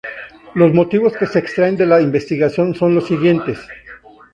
Los motivos que se extraen de la investigación son los siguientes.